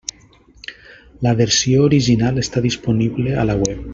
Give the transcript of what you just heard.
La versió original està disponible a la web.